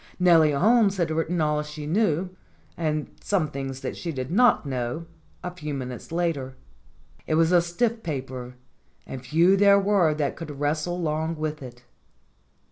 Nellie Holmes had writ ten all she knew, and some things that she did not know, a few minutes later. It was a stiff paper, and few there were that could wrestle long with it.